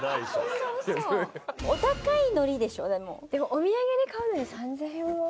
お土産に買うのに３，０００円を？